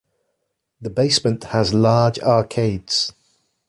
The basement has large arcades.